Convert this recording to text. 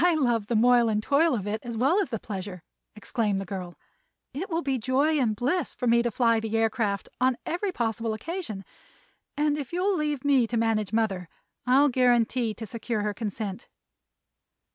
"I love the moil and toil of it, as well as the pleasure," exclaimed the girl. "It will be joy and bliss to me to fly the aircraft on every possible occasion, and if you'll leave me to manage mother I'll guarantee to secure her consent."